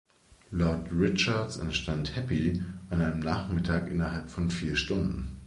Laut Richards entstand "Happy" an einem Nachmittag innerhalb von vier Stunden.